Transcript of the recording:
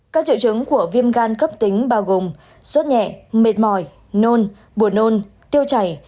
các triệu chứng của viêm gan cấp tính bao gồm suốt nhẹ mệt mỏi nôn buồn nôn tiêu chảy